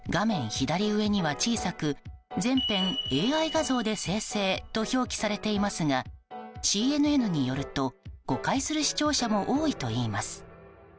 左上には小さく「全編ＡＩ画像で生成」と表記されていますがＣＮＮによると、誤解する視聴者も多いといいます。